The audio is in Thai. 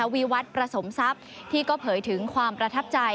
วีวัตรประสมทรัพย์ที่ก็เผยถึงความประทับใจ